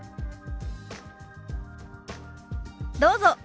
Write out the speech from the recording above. どうぞ。